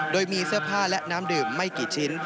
โดยมีเสื้อผ้าและน้ำดื่มไม่กี่ชิ้น